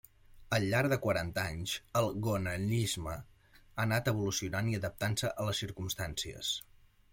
Al llarg de quaranta anys el gonellisme ha anat evolucionant i adaptant-se a les circumstàncies.